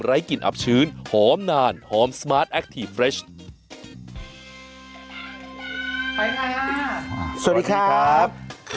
ให้เยอะนะครับ